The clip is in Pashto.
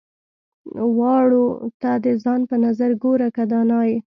واړو ته د ځان په نظر ګوره که دانا يې.